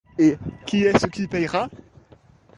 Et qui est-ce qui paiera?